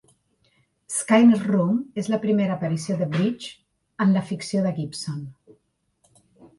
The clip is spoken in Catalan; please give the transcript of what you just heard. "Skinner's Room" és la primera aparició de Bridge en la ficció de Gibson.